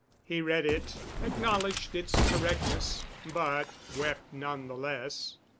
He read it, acknowledged its correctness, but wept none the less.